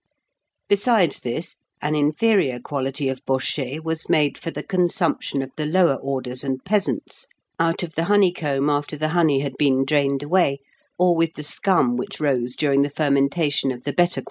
Besides this, an inferior quality of bochet was made for the consumption of the lower orders and peasants, out of the honeycomb after the honey had been drained away, or with the scum which rose during the fermentation of the better qualities.